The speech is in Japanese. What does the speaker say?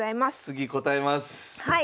次答えます！